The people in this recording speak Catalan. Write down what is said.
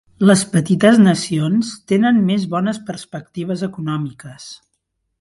Les petites nacions tenen més bones perspectives econòmiques.